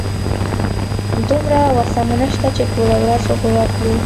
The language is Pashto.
دومره وسه مو نشته چې ټوله ورځ اوبه واخلو.